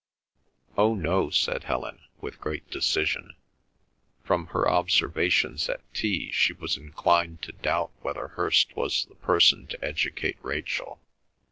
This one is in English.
"Oh no," said Helen, with great decision. From her observations at tea she was inclined to doubt whether Hirst was the person to educate Rachel.